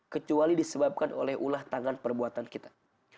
kecuali disebabkan oleh ulah tangan perbuatan kita